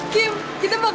kim kita mau ke rumah